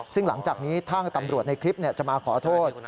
ซึ่งหลังจากนี้ทางตำรวจในคลิปจะมาขอโทษ